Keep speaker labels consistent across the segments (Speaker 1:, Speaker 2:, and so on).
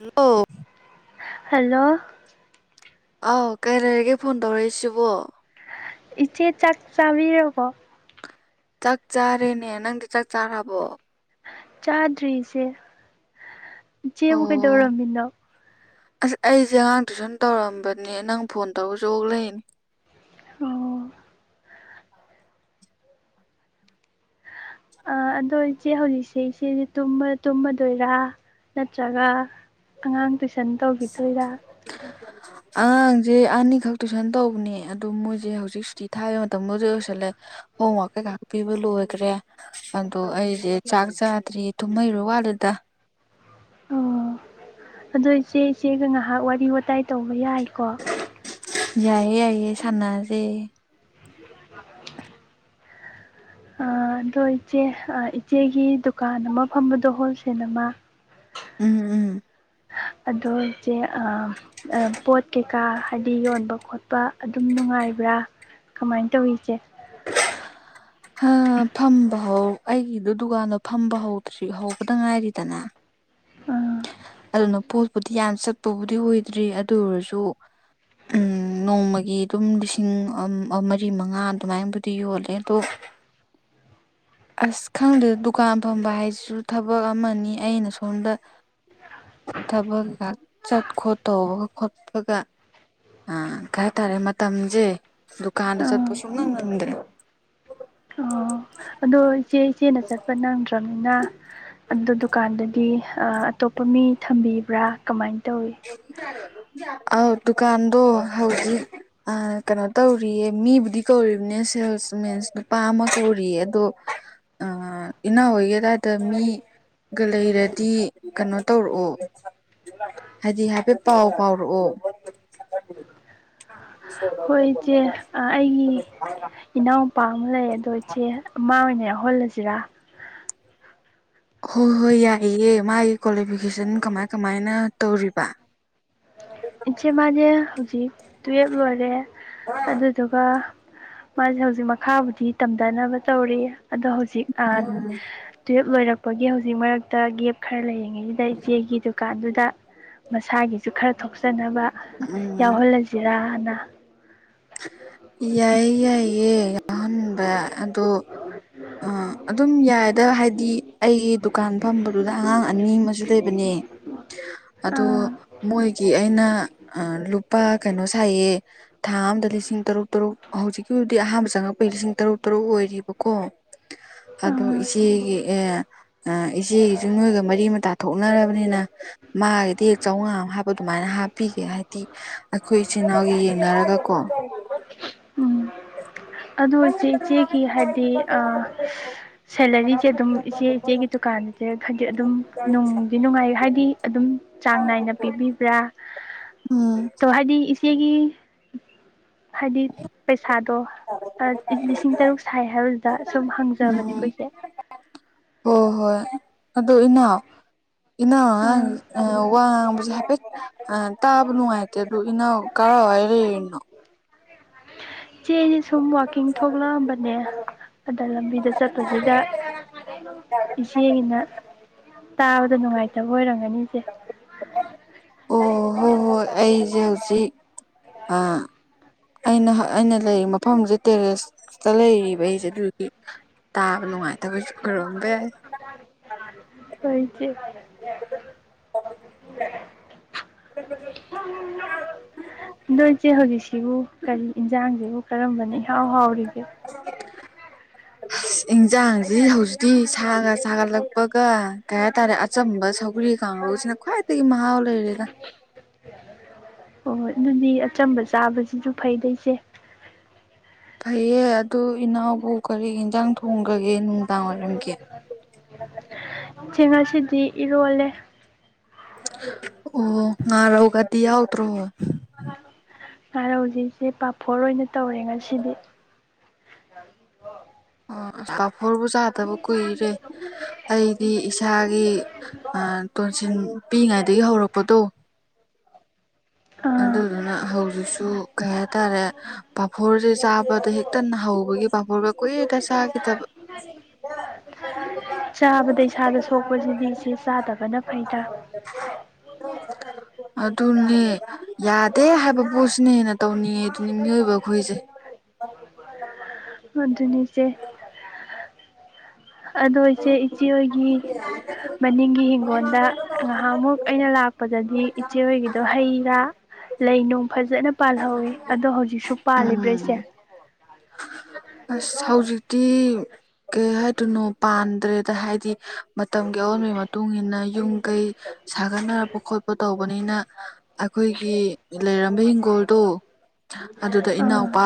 Speaker 1: Hello
Speaker 2: hello
Speaker 1: ꯑꯧ ꯀꯩ ꯂꯩꯔꯒꯦ ꯐꯣꯟ ꯇꯧꯔꯛꯏꯁꯤꯕꯣ
Speaker 2: ꯏꯆꯦ ꯆꯥꯛ ꯆꯥꯕꯤꯔꯀꯣ
Speaker 1: ꯆꯥꯛ ꯆꯥꯔꯦꯅꯦ ꯅꯪꯗꯤ ꯆꯥꯛ ꯆꯥꯔꯕꯣ
Speaker 2: ꯆꯥꯗ꯭ꯔꯤ ꯢ ꯆꯦ ꯏ ꯆꯦ ꯕꯨ
Speaker 1: ꯑꯣ
Speaker 2: ꯀꯩꯗꯧꯔꯝꯃꯤꯅꯣ
Speaker 1: ꯑꯁ ꯑꯩꯁꯦ ꯑꯉꯥꯡ ꯇꯨꯏꯁꯟ ꯇꯧꯔꯝꯕꯅꯦ ꯅꯪ ꯐꯣꯟ ꯇꯧꯔꯒꯁꯨ ꯑꯣꯛ ꯂꯩꯅꯤ
Speaker 2: ꯑꯣ ꯑ ꯑꯗꯣ ꯏꯆꯦ ꯍꯧꯖꯤꯛꯁꯦ ꯏꯆꯦ ꯇꯨꯝꯃꯗꯣꯏꯔꯥ ꯅꯠꯇ꯭ꯔꯒ ꯑꯉꯥꯡ ꯇꯨꯏꯁꯟ ꯇꯧꯈꯤꯗꯣꯏꯔ
Speaker 1: ꯑꯉꯥꯡꯁꯦ ꯑꯅꯤꯈꯛ ꯇꯨꯏꯁꯟ ꯇꯧꯕꯅꯦ ꯑꯗꯨ ꯃꯣꯏꯁꯦ ꯍꯧꯖꯤꯛꯁꯤꯤ ꯊꯥꯕ ꯃꯇꯝꯗꯗ ꯂꯣꯏꯁꯜꯂꯦ ꯍ ꯋꯥꯀꯩ ꯉꯥꯛꯄꯤꯤꯕ ꯂꯣꯏꯈ꯭ꯔꯦ ꯑꯗꯣ ꯑꯩꯁꯦ ꯆꯥꯛ ꯆꯥꯗ꯭ꯔꯤ ꯊꯨꯝꯍꯩꯔꯣ ꯋꯥꯠꯂꯦꯗ
Speaker 2: ꯑꯣ ꯑꯗꯣ ꯏꯆꯦ ꯏꯆꯦꯒ ꯉꯥꯏꯍꯥꯛ ꯋꯥꯔꯤ ꯋꯥꯋꯇꯥꯏ ꯇꯧꯕ ꯌꯥꯏꯀꯣ
Speaker 1: ꯌꯥꯏꯌꯦ ꯌꯥꯏꯌꯦꯦ ꯁꯥꯟꯅꯁꯦ
Speaker 2: ꯑꯗꯣ ꯏꯆꯦ ꯏꯆꯦꯒꯤ ꯗꯨꯀꯥꯟ ꯑꯃ ꯐꯝꯕꯗꯣ ꯍꯣꯜꯁꯦꯜ ꯑꯃ
Speaker 1: ꯎꯝ ꯎꯝ
Speaker 2: ꯑꯗꯣ ꯆꯦ ꯄꯣꯠ ꯀꯩꯀꯥ ꯍꯥꯏꯗꯤ ꯌꯣꯟꯕ ꯈꯣꯠꯄ ꯑꯗꯨꯝ ꯅꯨꯡꯉꯥꯏꯕ꯭ꯔꯥ ꯀꯃꯥꯏꯅ ꯇꯧꯔꯤꯁꯦ
Speaker 1: ꯐꯝꯕ ꯍꯧ ꯑꯩꯒꯤꯗꯨ ꯗꯨꯀꯥꯟꯗꯣ ꯐꯝꯕ ꯍꯧꯗꯁꯤ ꯍꯧꯕꯗ ꯉꯥꯏꯔꯤꯗꯅ
Speaker 2: ꯑꯥ
Speaker 1: ꯑꯗꯨꯅ ꯄꯣꯠꯄꯨꯗꯤ ꯌꯥꯝ ꯆꯠꯄꯕꯨꯗꯤ ꯑꯣꯏꯗ꯭ꯔꯤ ꯑꯗꯨ ꯑꯣꯏꯔꯁꯨ ꯅꯣꯡꯃꯒꯤ ꯑꯗꯨꯝ ꯂꯤꯁꯤꯡ ꯃꯔꯤ ꯃꯉꯥ ꯑꯗꯨꯃꯥꯏꯕꯨꯗꯤ ꯌꯣꯜꯂꯦ ꯑꯗꯣ
Speaker 2: [inaudible]
Speaker 1: ꯑꯁ ꯈꯪꯗꯗ ꯗꯨꯀꯥꯟ ꯐꯝꯕ ꯍꯥꯏꯁꯤꯁꯨ ꯊꯕꯛ ꯑꯃꯅꯤ ꯑꯩꯅ ꯁꯣꯝꯗ ꯊꯕꯒ ꯆꯠ ꯈꯣꯠꯇꯧꯕꯒ ꯈꯣꯠꯄꯒ ꯑ ꯀꯩꯇꯥꯔꯦ ꯃꯇꯝꯁꯦ ꯗꯨꯀꯥꯟꯗ
Speaker 2: ꯑꯥ
Speaker 1: ꯆꯠꯄꯁꯨ ꯉꯝ ꯉꯝꯗ꯭ꯔꯦ
Speaker 2: ꯑꯥ ꯑꯗꯣ ꯏꯆꯦ ꯏꯆꯦꯅ ꯆꯠꯄ ꯅꯪꯗ꯭ꯔꯕꯅꯤꯅ ꯑꯗꯨ ꯗꯨꯀꯥꯟꯗꯗꯤ ꯑꯇꯣꯞꯄ ꯃꯤ ꯊꯝꯕꯤꯕ꯭ꯔꯥ ꯀꯃꯥꯏꯅ ꯇꯧꯏ
Speaker 1: ꯑ ꯇꯗꯨꯀꯥꯟꯗ ꯍꯧꯖꯤ ꯀꯩꯅꯣ ꯇꯧꯔꯤꯌꯦ ꯃꯤꯕꯨꯗꯤ ꯀꯧꯔꯤꯕꯅꯦ ꯁꯦꯜꯁ ꯃꯤꯦꯟꯁ ꯅꯨꯄꯥ ꯑꯃ ꯀꯧꯔꯤꯌꯦ ꯑꯗꯣ ꯑ ꯏꯟꯅ ꯑꯣꯏꯒꯗꯗ ꯃꯤ ꯒ ꯂꯩꯔꯗꯤ ꯀꯩꯅꯣ ꯇꯧꯔꯛꯑꯣ ꯍꯥꯏꯗꯤ ꯍꯥꯏꯐꯦꯠ ꯄꯥꯎ ꯐꯥꯎꯔꯛꯑꯣ
Speaker 2: ꯍꯣꯏ
Speaker 1: ꯁꯣꯔꯝꯕꯣꯂ ꯍꯥꯏ
Speaker 2: ꯏꯅꯥꯎꯅꯨꯄꯥ ꯑꯃ ꯂꯩ ꯑꯗꯣ ꯏꯆꯦ ꯑꯃ ꯑꯣꯏꯅ ꯌꯥꯎꯍꯜꯂꯁꯤꯔꯥ
Speaker 1: ꯍꯣꯏ ꯍꯣꯏ ꯌꯥꯏꯌꯦ ꯃꯥꯒꯤ ꯀ꯭ꯋꯥꯂꯤꯐꯤꯀꯦꯁꯟ ꯀꯃꯥꯏ ꯀꯃꯥꯏꯅ ꯇꯧꯔꯤꯕ
Speaker 2: ꯏꯆꯦ ꯃꯥꯅꯦ ꯍꯧꯖꯤꯛ ꯇꯨꯌꯦꯜꯞ ꯂꯣꯏꯔꯦ ꯑꯗꯨꯗꯨꯒ ꯃꯥꯖꯦ ꯍꯧꯖꯤꯛ ꯃꯈꯥꯕꯨꯗꯤ ꯇꯝꯗꯅꯕ ꯇꯧꯔꯤ ꯑꯗꯣ ꯍꯧꯖꯤꯛ ꯑꯥꯠ ꯇꯨꯌꯦꯜꯞ ꯂꯣꯏꯔꯛꯄꯒꯤ ꯍꯧꯖꯤꯛ ꯃꯔꯛꯇ ꯒꯦꯞ ꯈꯔ ꯂꯩꯔꯤꯉꯩꯖꯤꯗ ꯏꯆꯦꯒꯤ ꯀꯥꯟꯗꯨꯗ ꯃꯁꯥꯒꯤꯁꯨ ꯈꯔ ꯊꯣꯛꯆꯅꯕ
Speaker 1: ꯎꯝ
Speaker 2: ꯌꯥꯎꯍꯜꯂꯖꯤꯔꯅ
Speaker 1: ꯌꯥꯏꯌꯦ ꯌꯥꯏꯌꯦ ꯌꯥꯎꯍꯟꯕ ꯑꯗꯣ ꯑ ꯑꯗꯨꯝ ꯌꯥꯏꯗ ꯍꯥꯏꯗꯤ ꯑꯩꯒꯤ ꯗꯨꯀꯥꯟ ꯐꯝꯕꯗꯨꯗ ꯑꯉꯥꯡ ꯑꯅꯤ ꯑꯃꯁꯨ ꯂꯩꯕꯅꯦ
Speaker 2: ꯎ
Speaker 1: ꯑꯗꯣ ꯃꯣꯏ ꯀꯤ ꯑꯩꯅ ꯑ ꯂꯨꯄꯥ ꯀꯩꯅꯣ ꯁꯥꯏꯌꯦ ꯊꯥ ꯑꯝꯗ ꯂꯤꯁꯤꯡ ꯇꯔꯨꯛ ꯇꯔꯨꯛ ꯍꯧꯖꯤꯛꯀꯤꯕꯨꯗꯤ ꯑꯍꯥꯟꯕ ꯆꯪꯉꯛꯄꯒꯤ ꯂꯤꯁꯤꯡ ꯇꯔꯨꯛ ꯇꯔꯨꯛ ꯑꯣꯏꯔꯤꯕꯀꯣ ꯑꯗꯣ ꯏ
Speaker 2: ꯑꯥ
Speaker 1: ꯏꯆꯦꯒꯤ ꯑ ꯏꯆꯦꯒꯤꯁꯨ ꯅꯣꯏꯒ ꯃꯔꯤ ꯃꯇꯥ ꯊꯣꯛꯅꯔꯕꯅꯤꯅ ꯃꯥꯒꯤꯗꯤ ꯍꯦꯛ ꯆꯧꯉꯥ ꯑꯃ ꯍꯥꯏꯕ ꯑꯗꯨꯃꯥꯏꯅ ꯍꯥꯞꯄꯤꯒꯦ ꯍꯥꯏꯗꯤ ꯑꯩꯈꯣꯏ ꯏꯆꯤꯟ ꯏꯅꯥꯎꯒꯤ ꯌꯦꯡꯅꯔꯒ ꯀꯣ
Speaker 2: ꯎꯝ ꯑꯗꯨ ꯏꯆꯦ ꯏꯆꯦꯒꯤ ꯍꯥꯏꯗꯤ ꯑ ꯁꯦꯂꯔꯤꯁꯦ ꯑꯗꯨꯝ ꯏꯆꯦ ꯏꯆꯦꯒꯤ ꯗꯨꯀꯥꯟꯖꯦ ꯈꯗꯤ ꯑꯗꯨꯝ ꯅꯨꯡꯗꯤ ꯅꯨꯡꯉꯥꯏ ꯍꯥꯏꯗꯤ ꯑꯗꯨꯝ ꯆꯥꯡ ꯅꯥꯏꯅ ꯄꯤꯕꯤꯕ꯭ꯔꯥ
Speaker 1: ꯎꯝ
Speaker 2: ꯇꯣ ꯍꯥꯏꯗꯤ ꯏꯆꯦꯒꯤ ꯍꯥꯏꯗꯤ ꯄꯩꯁꯥꯗꯣ ꯇ ꯂꯤꯁꯤꯡ ꯇꯔꯨꯛ ꯁꯥꯏ ꯍꯥꯏꯕꯁꯤꯗ ꯁꯨꯝ ꯍꯪꯖꯕꯅꯤꯀꯣ ꯏꯆꯦ
Speaker 1: ꯍꯣ ꯍꯣꯏ ꯑꯗꯣ ꯏꯅꯥꯎ ꯏꯅꯥꯎꯅ
Speaker 2: ꯑꯥ
Speaker 1: ꯉꯥꯡꯉꯤ ꯑ ꯋꯥ ꯉꯥꯡꯕꯁꯦ ꯍꯥꯏꯄꯦꯠ ꯑ ꯇꯥꯕ ꯅꯨꯡꯉꯥꯏꯇꯦ ꯑꯗꯨ ꯏꯅꯥꯎ ꯀꯔꯥꯏꯋꯥꯏ ꯂꯩꯔꯤꯅꯣ
Speaker 2: ꯏꯆꯦ ꯑꯩꯖꯤ ꯁꯨꯝ ꯋꯥꯛꯀꯤꯡ ꯊꯣꯛꯂꯛꯑꯝꯕꯅꯦ ꯑꯗ ꯂꯝꯕꯤꯗ ꯆꯠꯄꯖꯤꯗ ꯏꯆꯦꯒꯤꯅ ꯇꯥꯕꯗ ꯅꯨꯡꯉꯥꯏꯇꯕ ꯑꯣꯏꯔꯝꯒꯅꯤ ꯏꯆꯦ
Speaker 1: ꯑꯣ ꯍꯣ ꯍꯣꯏ ꯑꯩꯖꯦ ꯍꯧꯖꯤꯛ ꯑꯥ ꯑꯩꯅ ꯑꯩꯅ ꯂꯩꯔꯤ ꯃꯐꯝꯁꯦ ꯇꯦꯔꯦꯁꯇ ꯂꯩꯔꯤꯕ ꯑꯩꯖꯦ ꯑꯗꯨꯒꯤ ꯇꯥꯕ ꯅꯨꯡꯉꯥꯏꯇꯕꯁꯨ ꯑꯣꯏꯔꯣꯝꯕ ꯌꯥꯏ
Speaker 2: ꯍꯣꯏ ꯏꯆꯦ [inaudible]
Speaker 1: [unintelligible]
Speaker 2: ꯗꯣ ꯏꯆꯦ ꯍꯧꯖꯤꯛꯁꯤꯕꯨ ꯀꯔꯤ ꯏꯟꯖꯥꯡꯖꯤꯕꯨ ꯀꯔꯝꯕꯅ ꯏꯍꯥꯎ ꯍꯥꯎꯔꯤꯒꯦ
Speaker 1: [unintelligible]
Speaker 2: [unintelligible]
Speaker 1: ꯏꯟꯖꯥꯡꯖꯤ ꯍꯧꯖꯤꯛꯇꯤ ꯁꯥꯒ ꯁꯥꯒꯠꯂꯛꯄꯒ ꯀꯩ ꯍꯥꯏꯇꯥꯔꯦ ꯑꯆꯝꯕ ꯁꯧꯒ꯭ꯔꯤ ꯀꯥꯡꯒꯧ ꯁꯤꯅ ꯈꯋꯥꯏꯇꯒꯤ ꯃꯥꯍꯥꯎ ꯂꯩꯔꯦꯗ
Speaker 2: ꯍꯣ ꯍꯣꯏ ꯑꯗꯨꯗꯤ ꯑꯆꯝꯕ ꯆꯥꯕꯁꯤꯁꯨ ꯐꯩꯗ ꯏꯆꯦ
Speaker 1: ꯐꯩꯌꯦ ꯑꯗꯨ ꯏꯅꯥꯎꯕꯨ ꯀꯔꯤ ꯌꯦꯟꯖꯥꯡ ꯊꯣꯡꯈ꯭ꯔꯒꯦ ꯅꯨꯡꯗꯥꯡꯋꯥꯏꯔꯝꯒꯤ
Speaker 2: ꯆꯦ ꯉꯁꯤꯗꯤ ꯏꯔꯣꯜꯂꯦ
Speaker 1: ꯑꯣ ꯉꯔꯎꯒꯗꯤ ꯌꯥꯎꯗ꯭ꯔꯣ
Speaker 2: ꯉꯔꯧꯖꯦ ꯏꯆꯦ ꯄꯥꯐꯣꯔ ꯑꯣꯏꯅ ꯇꯧꯔꯦ ꯉꯁꯤꯗꯤ
Speaker 1: ꯑꯣ ꯄꯥꯐꯣꯔꯕꯨ ꯆꯥꯗꯕ ꯀꯨꯏꯔꯦ ꯑꯩ ꯗꯤ ꯏꯁꯥꯒꯤ ꯑ ꯇꯣꯟꯁꯤꯟ ꯄꯤꯏꯉꯩꯗꯒꯤ ꯍꯧꯔꯛꯄꯗꯣ
Speaker 2: ꯑꯥ
Speaker 1: ꯑꯗꯨꯗꯨꯅ ꯍꯧꯖꯤꯛꯁꯨ ꯀꯩ ꯍꯥꯏꯇꯥꯔꯦ ꯄꯥꯐꯣꯔꯁꯦ ꯆꯥꯕꯗ ꯍꯦꯛꯇ ꯅ ꯍꯧꯕꯒꯤ ꯄꯥꯐꯣꯔꯕꯧ ꯀꯨꯏꯔꯦꯇ ꯆꯥꯒꯤꯗꯕ
Speaker 2: ꯔ [inaudible] ꯆꯥꯕꯗ ꯏꯁꯥꯗ ꯁꯣꯛꯄꯁꯤꯗꯤ ꯏꯆꯦ ꯆꯥꯗꯕꯅ ꯐꯩꯗ
Speaker 1: ꯑꯗꯨꯅꯦ ꯌꯥꯗꯦ ꯍꯥꯏꯕ ꯄꯣꯠꯁꯤꯅ ꯍꯦꯟꯅ ꯇꯧꯅꯤꯡꯉꯦ ꯑꯗꯨꯅꯤ ꯃꯤꯑꯣꯏꯕ ꯑꯩꯈꯣꯏꯁꯦ
Speaker 2: ꯑꯗꯨꯅꯤ ꯏꯆꯦ ꯑꯗꯣ ꯏꯆꯦ ꯏꯆꯦ ꯍꯣꯏꯒꯤ ꯃꯅꯤꯡꯒꯤ ꯍꯤꯡ ꯒꯣꯟꯗ ꯉꯥꯍꯥꯛꯃꯨꯛ ꯑꯩꯅ ꯂꯥꯛꯄꯗꯗꯤ ꯏꯆꯦ ꯍꯣꯏꯒꯤꯗꯣ ꯍꯩꯔꯥ ꯂꯩ ꯅꯨꯡ ꯐꯖꯅ ꯄꯥꯜꯍꯧꯋꯤ ꯑꯗꯣ ꯍꯧꯖꯤꯛꯁꯨ ꯄꯥꯜꯂꯤꯕꯔ ꯏꯆꯦ
Speaker 1: ꯎꯝ ꯑꯁ ꯍꯧꯖꯤꯛꯇꯤ ꯀꯩ ꯍꯥꯏꯗꯨꯣꯏꯅꯣ ꯄꯥꯟꯗ꯭ꯔꯦꯗ ꯍꯥꯏꯗꯤ ꯃꯇꯝꯒꯤ ꯑꯑꯣꯟꯕꯒꯤ ꯃꯇꯨꯡ ꯃꯇꯨꯡꯏꯟꯅ ꯌꯨꯝ ꯀꯩ ꯁꯥꯒꯠꯅꯔꯕ ꯈꯣꯠꯄ ꯇꯧꯕꯅꯤꯅ ꯑꯩꯈꯣꯏꯒꯤ ꯂꯩꯔꯝꯕ ꯍꯤꯡꯒꯣꯜꯗꯣ ꯑꯗꯨꯗ
Speaker 2: ꯑꯥ
Speaker 1: ꯏꯅꯥꯎꯄꯥ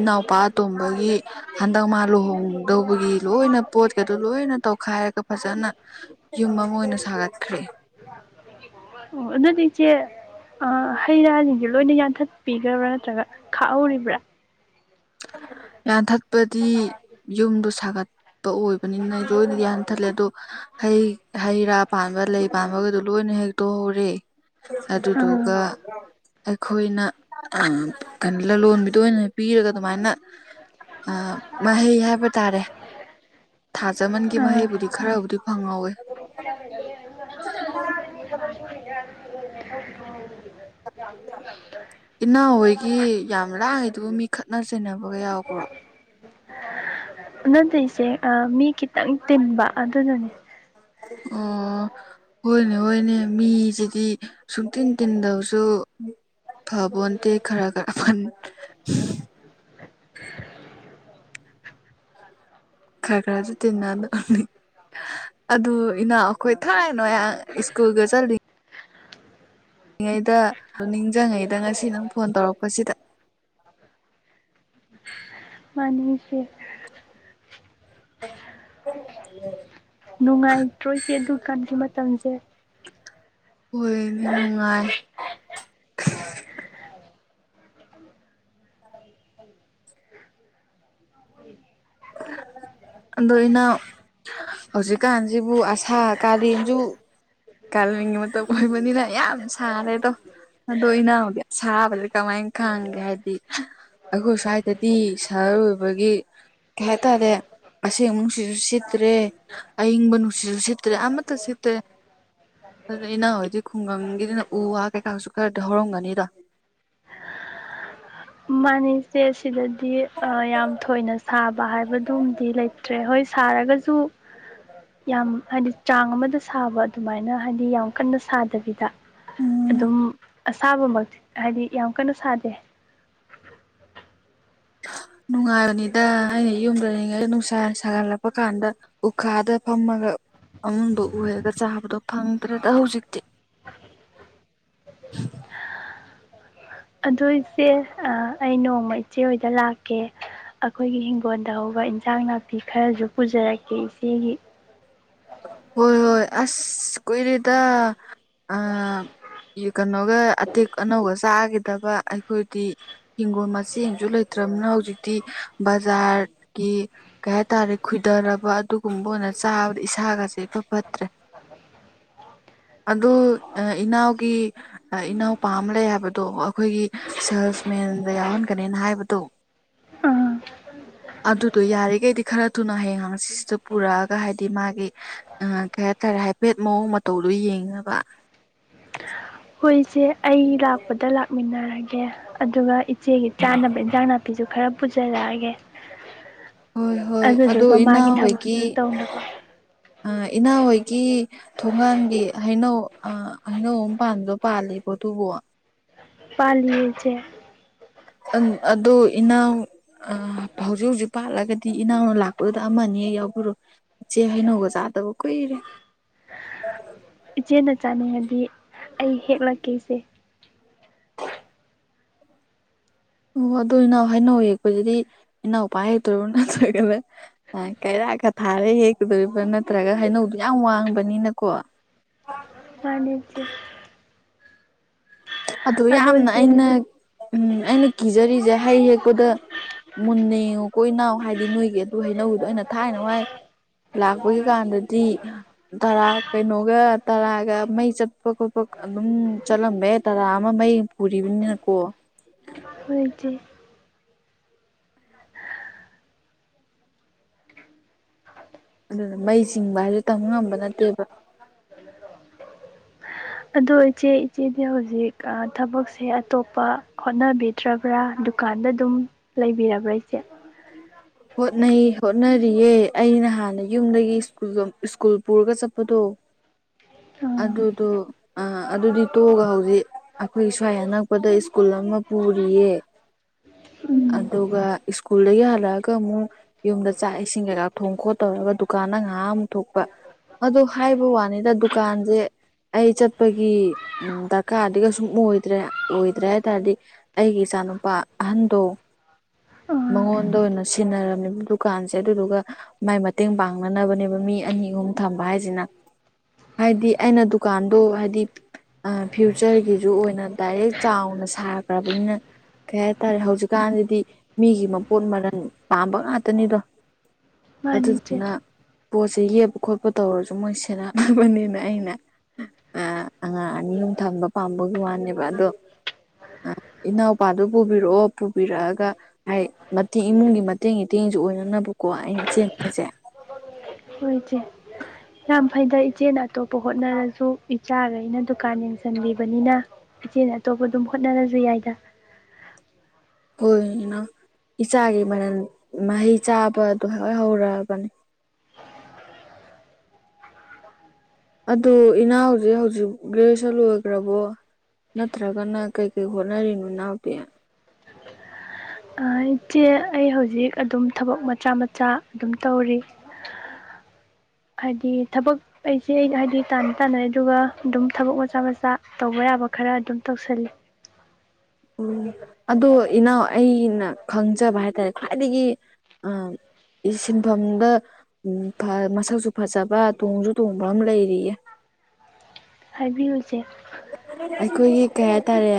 Speaker 1: ꯏꯅꯥꯎꯄꯥꯇꯣꯝꯕꯒꯤ꯫ ꯍꯟꯗꯛ ꯃꯥ ꯂꯨꯍꯣꯡꯗꯧꯕꯒꯤ ꯂꯣꯏꯅ ꯄꯣꯠꯀꯗꯣ ꯂꯣꯏꯅ ꯇꯧꯈꯥꯏꯔꯒ ꯐꯖꯅ ꯌꯨꯝ ꯑꯃ ꯑꯣꯏꯅ ꯁꯥꯒꯠꯈ꯭ꯔꯦ꯫
Speaker 2: ꯑꯣ ꯑꯗꯨꯗꯤ ꯏꯆꯦ ꯍꯩ ꯔꯥꯁꯤꯡꯁꯦ ꯂꯣꯏꯅ ꯌꯥꯟꯊꯠ ꯄꯤꯈ꯭ꯔꯕ꯭ꯔꯥ ꯅꯠꯇ꯭ꯔꯒ ꯈꯥꯛꯍꯧꯔꯤꯕ꯭ꯔꯥ
Speaker 1: ꯌꯥꯟꯊꯠꯄꯗꯤ ꯌꯨꯝꯗ ꯁꯥꯒꯠ ꯑꯣꯏꯕꯅꯤꯅ ꯑꯩ ꯂꯣꯏꯅꯗꯤ ꯍꯟꯊꯠꯂꯦ ꯑꯗꯣ ꯍꯩ ꯍꯩ ꯔꯥ ꯄꯥꯟꯕ ꯂꯩ ꯄꯥꯟꯕꯒꯗꯣ ꯂꯣꯏꯅ ꯍꯦꯛꯇꯣꯛꯍꯧꯔꯦ
Speaker 2: ꯑꯥ
Speaker 1: ꯑꯗꯨꯗꯨꯒ ꯑꯩꯈꯣꯏꯅ ꯀꯩꯅꯣ ꯂꯂꯣꯟꯕꯤꯗ ꯑꯣꯏꯅ ꯄꯤꯔꯒ ꯑꯗꯨꯃꯥꯏꯅ ꯃꯍꯩ ꯍꯥꯏꯕ ꯇꯥꯔꯦ ꯊꯥꯖꯃꯟꯒꯤ
Speaker 2: ꯑꯥ
Speaker 1: ꯃꯍꯩꯕꯨꯗꯤ ꯈꯔꯕꯨꯗꯤ ꯐꯪꯍꯧꯋꯦ꯫
Speaker 2: [inaudible] [unintelligible]
Speaker 1: ꯏꯅꯥꯎ ꯍꯣꯏꯒꯤ ꯌꯥꯝ ꯂꯥꯡꯦꯗꯨꯕꯨ ꯃꯤ ꯈꯠꯅ ꯆꯩꯕꯒ ꯌꯥꯎꯈ꯭ꯔꯣ?
Speaker 2: ꯑꯗꯨꯗꯁꯦ ꯃꯤ ꯈꯤꯇꯪ ꯇꯤꯟꯕ ꯑꯗꯨꯗꯅꯦ꯫
Speaker 1: ꯎꯝ ꯍꯣꯏꯅꯦ ꯍꯣꯏꯅꯦ ꯃꯤꯁꯤꯗꯤ ꯁꯨꯡꯇꯤꯟ ꯇꯤꯟꯗꯕꯁꯨ ꯐꯕꯣꯟ ꯈꯔ ꯈꯔ ꯈꯔ ꯁꯨ ꯇꯤꯅꯅꯅꯤ꯫ ꯑꯗꯨ ꯏꯅꯥꯎ ꯑꯩꯈꯣꯏ ꯊꯥꯏꯅꯣꯏ ꯁ꯭ꯀꯨꯜꯒ ꯆꯠꯂꯤ꯫ ꯉꯩꯗ ꯑꯗꯨ ꯅꯤꯡꯁꯤꯡꯉꯩꯗ ꯉꯁꯤ ꯅꯪ ꯐꯣꯟ ꯇꯧꯔꯛꯄꯁꯤꯗ
Speaker 2: [unintelligible]
Speaker 1: [unintelligible]
Speaker 2: ꯅꯨꯡꯉꯥꯏꯇ꯭ꯔꯣꯏꯁꯦ ꯑꯗꯨ ꯀꯥꯟꯒꯤ ꯃꯇꯝꯁꯦ꯫
Speaker 1: ꯑꯣꯏ ꯅꯨꯡꯉꯥꯏ꯫ ꯑꯗꯣ ꯏꯅꯥꯑꯣ ꯍꯧꯖꯤꯛꯀꯥꯟꯁꯤꯕꯨ ꯑꯁꯥ ꯀꯥꯂꯦꯟꯁꯨ ꯀꯥꯅꯤꯡ ꯃꯇꯝ ꯑꯣꯏꯕꯅꯤꯅ ꯌꯥꯝ ꯁꯥꯔꯦꯗꯣ ꯑꯗꯣ ꯏꯅꯥꯎꯗꯤ ꯑꯁꯥꯕꯗꯤ ꯀꯃꯥꯏꯅ ꯈꯪꯒꯦ ꯍꯥꯏꯗꯤ ꯑꯩꯈꯣꯏ ꯁ꯭ꯋꯥꯏꯗꯗꯤ ꯁꯍꯔ ꯑꯣꯏꯕꯒꯤ ꯀꯩ ꯍꯥꯏꯇꯥꯔꯦ ꯑꯁꯦꯡ ꯑꯃꯨꯅꯨꯡꯁꯤꯁꯨ ꯁꯤꯠꯇ꯭ꯔꯦ ꯑꯏꯤꯡꯕ ꯅꯨꯡꯁꯤ ꯁꯤꯠꯇ꯭ꯔꯦ ꯑꯃ ꯃꯠꯇ ꯁꯤꯠꯇ꯭ꯔꯦ ꯑꯗꯨ ꯑꯩꯅ ꯍꯧꯖꯤꯣꯏꯛ ꯈꯨꯡꯒꯪꯒꯤꯗꯤꯅ ꯎ ꯋꯥ ꯀꯩꯀꯥꯁꯨ ꯈꯔꯗꯤ ꯍꯧꯔꯝꯒꯅꯤꯗ
Speaker 2: ꯃꯥꯅꯦꯁꯦ ꯁꯤꯗꯗꯤ ꯌꯥꯝ ꯊꯣꯏꯅ ꯁꯥꯕ ꯍꯥꯏꯕꯗꯨꯃꯗꯤ ꯂꯩꯇ꯭ꯔꯦ ꯍꯣꯏ ꯁꯥꯔꯒꯁꯨ ꯌꯥꯝ ꯍꯥꯏꯗꯤ ꯆꯥꯡ ꯑꯃꯗ ꯁꯥꯕ ꯑꯗꯨꯃꯥꯏꯅ ꯍꯥꯏꯗꯤ ꯌꯥꯝ ꯀꯟꯅ ꯁꯥꯗꯕꯤꯗ
Speaker 1: ꯎꯝ
Speaker 2: ꯑꯗꯨꯝ ꯑꯁꯥꯕꯃꯛ ꯍꯥꯏꯗꯤ ꯌꯥꯝ ꯀꯟꯅ ꯁꯥꯗꯦ꯫
Speaker 1: ꯅꯨꯡꯉꯥꯏꯕꯅꯤꯗ ꯑꯩꯅ ꯌꯨꯝꯗꯔꯤꯉꯩꯗ ꯅꯨꯡꯁꯥ ꯁꯥꯒꯠꯂꯛꯄ ꯀꯥꯟꯗ ꯎꯈꯥꯗ ꯐꯝꯃꯒ ꯑꯗꯣ ꯎꯔꯒ ꯆꯥꯕꯗꯣ ꯐꯪꯗ꯭ꯔꯦꯗ ꯍꯧꯖꯤꯛꯇꯤ [unintelligible]
Speaker 2: ꯑꯗꯨꯏꯆꯦ ꯑꯩ ꯅꯣꯡꯃ ꯏꯆꯦ ꯍꯣꯏꯗ ꯂꯥꯛꯀꯦ꯫ ꯑꯩꯈꯣꯏꯒꯤ ꯍꯤꯡꯒꯣꯜꯗ ꯍꯧꯕ ꯏꯟꯁꯥꯡ ꯅꯥꯄꯤ ꯈꯔꯁꯨ ꯄꯨꯖꯔꯛꯀꯦ ꯏꯆꯦꯒꯤ꯫
Speaker 1: ꯍꯣꯏ ꯍꯣꯏ ꯑꯁ ꯀꯨꯏꯔꯦꯗ ꯑ ꯀꯩꯅꯣꯒ ꯑꯇꯦꯛ ꯑꯅꯒ ꯆꯥꯈꯤꯗꯕ ꯑꯩꯈꯣꯏꯗꯤ ꯍꯤꯡꯒꯣꯜ ꯃꯦꯡꯁꯨ ꯂꯩꯇ꯭ꯔꯕꯅ ꯍꯧꯖꯤꯛꯇꯤ ꯕꯖꯥꯔꯒꯤ ꯀꯩ ꯍꯥꯏ ꯇꯥꯔꯦ ꯈꯣꯏꯗꯔꯕ ꯑꯗꯨꯒꯨꯝꯕ ꯑꯣꯏꯅ ꯆꯥꯕꯗ ꯏꯁꯥꯒꯁꯦ ꯏꯐꯠ ꯐꯠꯇ꯭ꯔꯦ ꯑꯗꯨ ꯏꯅꯥꯎꯒꯤ ꯏꯅꯥꯎꯄꯥ ꯑꯃ ꯂꯩ ꯍꯥꯏꯕꯗꯣ ꯑꯩꯈꯣꯏꯒꯤ ꯁꯦꯜꯁ ꯃꯦꯟꯗ ꯌꯥꯎꯍꯟꯒꯅꯦꯅ ꯍꯥꯏꯕꯗꯣ
Speaker 2: ꯑꯥ
Speaker 1: ꯑꯗꯨꯗꯣ ꯌꯥꯔꯤꯈꯩꯗꯤ ꯈꯔ ꯊꯨꯅ ꯍꯌꯦꯡ ꯍꯪꯆꯤꯠꯁꯤꯗ ꯄꯨꯔꯛꯑꯒ ꯍꯥꯏ ꯗꯤ ꯃꯥꯒꯤ ꯑ ꯀꯩ ꯍꯥꯏꯇꯥꯔꯦ ꯍꯥꯏꯐꯦꯠ ꯃꯑꯣꯡ ꯃꯇꯧꯗꯨ ꯌꯦꯡꯅꯕ
Speaker 2: ꯍꯣꯏ ꯏꯆꯦ ꯑꯩ ꯂꯥꯛꯄꯗ ꯂꯥꯛꯃꯤꯟꯅꯔꯒꯦ ꯑꯗꯨꯒ ꯏꯆꯦꯒꯤ ꯆꯥꯅꯕ ꯏꯟꯖꯥꯡ ꯅꯥꯄꯤ ꯄꯤꯁꯨ ꯈꯔ ꯄꯨꯖꯔꯛꯑꯒꯦ
Speaker 1: ꯍꯣꯏ ꯍꯣꯏ ꯑꯗꯨ
Speaker 2: ꯑꯗꯨꯗꯨꯒ ꯃꯥꯒꯤ
Speaker 1: ꯏꯅꯥꯎ ꯍꯣꯏꯒꯤ
Speaker 2: ꯊꯕꯛꯁꯤꯁꯨ ꯇꯧꯅꯕ
Speaker 1: ꯑ ꯏꯅꯥꯥꯎ ꯍꯣꯏꯒꯤ ꯊꯣꯡꯒꯥꯟꯒꯤ ꯍꯩꯅꯧ ꯑ ꯍꯩꯅꯧ ꯑꯃ ꯄꯥꯟꯕꯗꯣ ꯄꯥꯜꯂꯤꯕꯣ ꯑꯗꯨꯕꯨ
Speaker 2: ꯄꯥꯜꯂꯤ ꯏꯆꯦ
Speaker 1: ꯑ ꯑꯗꯨ ꯑꯗꯨ ꯏꯅꯥꯎ ꯑ ꯍꯧꯖꯤꯛ ꯍꯧꯖꯤꯛ ꯄꯥꯜꯂꯒꯗꯤ ꯏꯅꯥꯎꯅ ꯂꯥꯛꯄꯗꯨꯗ ꯑꯃꯤ ꯑꯅꯤ ꯍꯦꯛ ꯌꯥꯎꯕꯤꯔꯣ ꯏꯆꯦ ꯍꯩꯅꯧꯒ ꯆꯥꯗꯕ ꯀꯨꯏꯔꯦ
Speaker 2: ꯏꯆꯦꯅ ꯆꯥꯅꯤꯡꯉꯗꯤ ꯑꯩ ꯍꯦꯛꯂꯛꯀꯦ ꯏꯆꯦ
Speaker 1: ꯑꯣ ꯑꯗꯣ ꯏꯅꯥꯎ ꯍꯥꯏꯅꯥꯎ ꯍꯦꯛꯄꯁꯤꯗꯤ ꯏꯅꯥꯎꯄꯥꯅ ꯍꯛꯇꯣꯏꯔꯣ ꯅꯠꯇ꯭ꯔꯒꯅ ꯀꯩꯔꯥꯛ ꯀ ꯊꯥꯔꯦ ꯍꯦꯛꯀꯗꯣꯔꯤꯕ ꯅꯠꯇ꯭ꯔꯒ ꯍꯩꯅꯧꯗꯨ ꯌꯥꯝ ꯋꯥꯡꯕꯅꯤꯅꯀꯣ
Speaker 2: [unintelligible]
Speaker 1: ꯑꯗꯨ
Speaker 2: ꯑꯗꯣ
Speaker 1: ꯌꯥꯝꯅ
Speaker 2: ꯏꯆꯦ
Speaker 1: ꯑꯩꯅ
Speaker 2: ꯍꯥꯏꯗꯤ
Speaker 1: ꯎꯝ ꯑꯩꯅ ꯀꯤꯖꯔꯤꯁꯦ ꯍꯩ ꯍꯦꯛꯄꯗ ꯃꯨꯟꯅ ꯌꯦꯡꯉꯨ ꯀꯣꯏ ꯏꯅꯥꯎ ꯍꯥꯏꯗꯤ ꯅꯣꯏꯒꯤ ꯑꯗꯨꯏ ꯍꯩꯅꯧꯗꯣ ꯑꯩꯅ ꯊꯥꯏꯅ ꯋꯥꯏ ꯂꯥꯛꯄꯒꯤ ꯀꯥꯟꯗꯗꯤ ꯇꯔꯥ ꯀꯩꯅꯣꯒ ꯇꯔꯥꯒ ꯃꯩ ꯆꯠꯄ ꯈꯣꯠꯄ ꯑꯗꯨꯝ ꯆꯠꯂꯝꯕ ꯌꯥꯏ ꯇꯔꯥ ꯑꯃ ꯃꯩ ꯄꯨꯔꯤꯕꯅꯤꯅꯀꯣ
Speaker 2: ꯍꯣꯏ ꯏ ꯆꯦ
Speaker 1: ꯑꯗꯨꯅ ꯃꯩ ꯆꯤꯡꯕ ꯍꯥꯏꯁꯦ ꯇꯝꯕ ꯉꯝꯕ ꯅꯠꯇꯦꯕ
Speaker 2: ꯑꯗꯣ ꯏꯆꯦ ꯏꯆꯦꯗꯤ ꯍꯧꯖꯤꯛ ꯊꯕꯛꯁꯦ ꯑꯇꯣꯞꯄ ꯍꯣꯠꯅꯕꯤ ꯇ꯭ꯔꯕ꯭ꯔꯥ ꯗꯨꯀꯥꯟꯗ ꯑꯗꯨꯝ ꯂꯩꯕꯤꯔꯕ꯭ꯔꯥ ꯏꯆꯦ
Speaker 1: [inaudible] ꯍꯣꯠꯅꯩ ꯍꯣꯠꯅꯔꯤꯌꯦ ꯑꯩ ꯅꯍꯥꯟꯅ ꯌꯨꯝꯗꯒꯤ ꯁꯨꯜ ꯁ꯭ꯀꯨꯜ ꯄꯨꯔꯒ ꯆꯠꯄꯗꯣ
Speaker 2: [unintelligible] ꯑꯥ
Speaker 1: ꯑꯗꯨꯗꯣ ꯑ ꯑꯗꯨꯗꯤ ꯇꯣꯛꯑꯒ ꯍꯧꯖꯤꯛ ꯑꯩꯈꯣꯏ ꯁ꯭ꯋꯥꯏ ꯑꯅꯛꯄꯗ ꯁ꯭ꯀꯨꯜ ꯑꯃ ꯄꯨꯔꯤꯌꯦ
Speaker 2: ꯎꯝ
Speaker 1: ꯑꯗꯨꯒ ꯁ꯭ꯀꯨꯜꯗꯒꯤ ꯍꯜꯂꯛꯑꯒ ꯑꯃꯨꯛꯀ ꯑꯃꯨꯛ ꯌꯨꯝꯗ ꯆꯥꯛ ꯏꯁꯤꯡ ꯀꯩꯀꯥ ꯊꯣꯡ ꯈꯣꯠ ꯇꯧꯔꯒ ꯗꯨꯀꯥꯟꯗ ꯉꯥꯏꯍꯥꯛ ꯑꯃꯨꯛ ꯊꯣꯛꯄ ꯑꯗꯨ ꯍꯥꯏꯕ ꯋꯥꯅꯤꯗ ꯗꯨꯀꯥꯟꯁꯦ ꯑꯩ ꯆꯠꯄꯒꯤ ꯗꯔꯀꯥꯔꯗꯤ ꯀꯩꯁꯨꯝ ꯑꯣꯏꯗ꯭ꯔꯦ ꯑꯣꯏꯗ꯭ꯔꯦ ꯍꯥꯏ ꯇꯥꯔꯗꯤ ꯑꯩꯒꯤ ꯏꯆꯥꯅꯨꯄꯥ ꯑꯍꯟꯗꯣ
Speaker 2: ꯑꯥ
Speaker 1: ꯃꯉꯣꯟꯗ ꯑꯣꯏꯅ ꯁꯤꯟꯅꯔꯝꯃꯦꯕ ꯗꯨꯀꯥꯟꯁꯦ ꯑꯗꯨꯗꯨꯒ ꯃꯥꯏ ꯃꯇꯦꯡ ꯄꯥꯡꯅꯅꯕꯅꯦꯕ ꯃꯤ ꯑꯅꯤ ꯑꯍꯨꯝ ꯊꯝꯕ ꯍꯥꯏꯁꯤꯅ ꯍꯥꯏꯗꯤ ꯑꯩꯅ ꯗꯨꯀꯥꯟꯗꯣ ꯍꯥꯏꯗꯤ ꯑ ꯐ꯭ꯌꯨꯆꯔꯒꯤꯁꯨ ꯑꯣꯏꯅ ꯗꯥꯏꯔꯦꯛ ꯆꯥꯎꯅ ꯁꯥꯈ꯭ꯔꯕꯅꯤꯅ ꯀꯩ ꯍꯥꯏꯇꯥꯔꯦ ꯍꯧꯖꯤꯛꯀꯥꯟꯗꯗꯤ ꯃꯤꯒꯤ ꯃꯄꯣꯠ ꯃꯔꯟ ꯄꯥꯝꯕ ꯉꯥꯛꯇꯅꯤꯗꯣ
Speaker 2: ꯃꯥꯅꯤ ꯏꯆꯦ
Speaker 1: ꯑꯗꯨꯗꯨꯅ ꯄꯣꯠꯆꯩ ꯌꯦꯞꯄ ꯈꯣꯠꯄ ꯇꯧꯔꯁꯨ ꯃꯣꯏ ꯁꯦꯟꯅꯅꯕꯅꯦꯅ ꯑꯩꯅ ꯑ ꯑꯉꯥꯡ ꯑꯅꯤ ꯑꯍꯨꯝ ꯊꯝꯕ ꯄꯥꯝꯕꯒꯤ ꯋꯥꯅꯦꯕ ꯑꯗꯣ ꯏꯅꯥꯎꯄꯥꯗꯨ ꯄꯨꯕꯤꯔꯛꯑꯣ ꯄꯨꯕꯤꯔꯛꯑꯒ ꯍꯥꯏ ꯃꯊꯤ ꯏꯃꯨꯡꯒꯤ ꯏꯇꯦꯡ ꯏꯇꯦꯡꯁꯨ ꯑꯣꯏꯅꯅꯕꯀꯣ ꯑꯩꯅ ꯏꯆꯦꯅ ꯍꯥꯏꯁꯦ
Speaker 2: ꯍꯣꯏ ꯏꯆꯦ ꯌꯥꯝ ꯐꯩꯗ ꯏꯆꯦ ꯑꯇꯣꯞꯄ ꯍꯣꯠꯅꯔꯁꯨ ꯏꯆꯥꯈꯩꯅ ꯗꯨꯀꯥꯟ ꯌꯦꯡꯁꯟꯕꯤꯕꯅꯤꯅ ꯏꯆꯦ ꯑꯇꯣꯞꯄ ꯑꯗꯨꯝ ꯍꯣꯠꯅꯔꯁꯨ ꯌꯥꯏꯗ
Speaker 1: ꯍꯣꯏꯅ ꯏꯆꯥꯒꯤ ꯃꯔꯜ ꯃꯍꯩ ꯆꯥꯕꯗꯣ ꯍꯣꯏ ꯍꯧꯔꯛꯑꯔꯕꯅꯤ ꯑꯗꯨ ꯏꯅꯥꯎ ꯍꯧꯖꯤꯛ ꯍꯧꯖꯤꯛ ꯒ꯭ꯔꯦꯖꯨꯦꯁꯟ ꯂꯣꯏꯈ꯭ꯔꯕꯣ ꯅꯠꯇ꯭ꯔꯒꯅ ꯀꯩ ꯀꯩ ꯍꯣꯠꯅꯔꯤꯅꯣ ꯏꯅꯥꯎꯗꯤ
Speaker 2: ꯑꯩꯆꯦ ꯑꯩ ꯍꯧꯖꯤꯛ ꯑꯗꯨꯝ ꯊꯕꯛ ꯃꯆꯥ ꯃꯆꯥ ꯑꯗꯨꯝ ꯇꯧꯔꯤ ꯍꯥꯏꯗꯤ ꯊꯕꯛ ꯑꯩꯁꯦ ꯑꯩ ꯍꯥꯏꯗꯤ ꯇꯥꯟꯅ ꯇꯥꯅꯔꯩ ꯑꯗꯨꯒ ꯑꯗꯨꯝ ꯊꯕꯛ ꯃꯆꯥ ꯃꯆꯥ ꯇꯧꯕ ꯌꯥꯕ ꯈꯔ ꯑꯗꯨꯝ ꯇꯧꯁꯜꯂꯤ
Speaker 1: ꯎꯝ ꯑꯗꯣ ꯏꯅꯥꯎ ꯑꯩꯅ ꯈꯪꯖꯕ ꯍꯥꯏꯇꯥꯔꯦ ꯈ꯭ꯋꯥꯏꯗꯒꯤ ꯑꯥ
Speaker 2: [unintelligible]
Speaker 1: ꯁꯤꯟꯐꯝꯗ ꯃꯁꯛꯁꯨ ꯐꯖꯕ ꯇꯣꯡꯁꯨ ꯇꯣꯡꯕ ꯑꯃ ꯂꯩꯔꯤꯌꯦ
Speaker 2: ꯍꯥꯏꯕꯤꯌꯨꯁꯦ
Speaker 1: ꯑꯩꯈꯣꯏꯒꯤ ꯀꯩ ꯍꯥꯏꯇꯥꯔꯦ